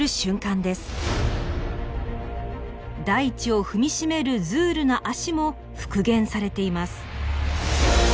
大地を踏み締めるズールの足も復元されています。